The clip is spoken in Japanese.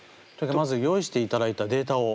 まず用意していただいたデータを。